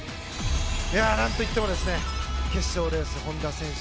何といっても決勝レースで本多選手。